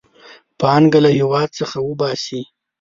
پانګه له هېواد څخه وباسي.